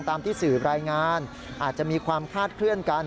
ตามที่สื่อรายงานอาจจะมีความคาดเคลื่อนกัน